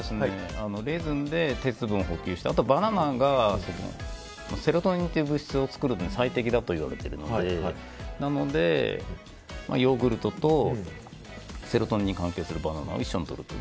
レーズンで鉄分補給したあとあとはバナナがセロトニンという物質を作るのに最適だといわれているのでヨーグルトとセロトニンに関係するバナナを一緒にとると。